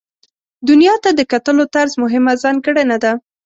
دنیا ته د کتلو طرز مهمه ځانګړنه ده.